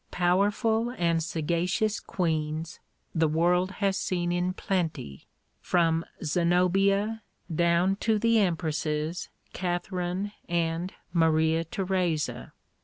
Powerful and sagacious queens the world has seen in plenty, from Zenobia, down to the empresses Catherine and Maria Theresa.